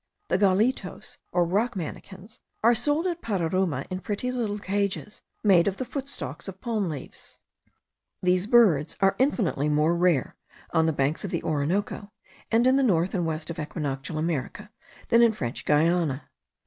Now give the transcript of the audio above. The gallitos, or rock manakins, are sold at Pararuma in pretty little cages made of the footstalks of palm leaves. These birds are infinitely more rare on the banks of the Orinoco, and in the north and west of equinoctial America, than in French Guiana.